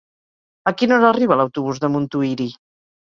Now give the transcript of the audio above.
A quina hora arriba l'autobús de Montuïri?